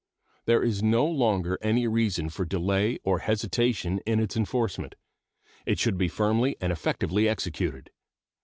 There is no longer any reason for delay or hesitation in its enforcement. It should be firmly and effectively executed.